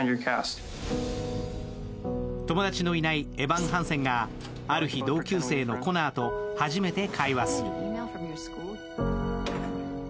友達のいないエヴァン・ハンセンがある日、同級生のコナーと初めて会話する。